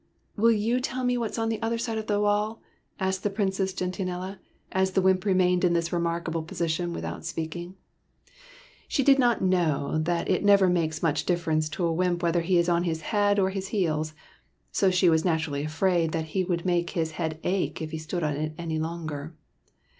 " Will you tell me what is on the other side of my wall ?" asked the Princess Gentianella, as the wymp remained in this remarkable posi tion without speaking. She did not know that it never makes much difference to a wymp whether he is on his head or his heels, so she was naturally afraid that he would make his head ache if he stood on it any longer.